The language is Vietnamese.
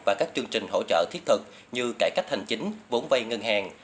và các chương trình hỗ trợ thiết thực như cải cách hành chính vốn vay ngân hàng